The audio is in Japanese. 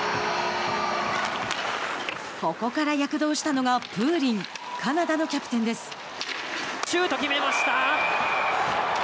ここから躍動したのがプーリンカナダのキャプテンです。